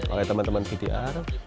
oke teman teman vtr